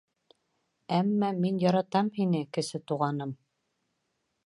Әммә мин яратам һине, Кесе Туғаным.